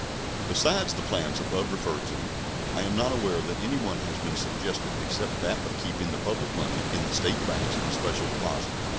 Besides the plans above referred to, I am not aware that any one has been suggested except that of keeping the public money in the State banks in special deposit.